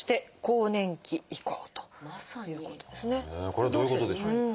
これはどういうことでしょう？